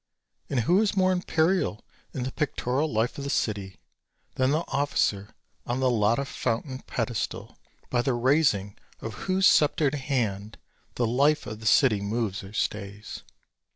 And who is more imperial in the pictorial life of the city than the officer on the Lotta Fountain pedestal by the raising of whose sceptered hand the life of the city moves or stays.